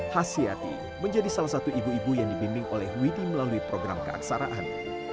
has yati menjadi salah satu ibu ibu yang dibimbing oleh witi melalui program keaksaraan